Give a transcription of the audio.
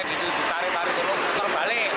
tarik tarik itu lho puter balik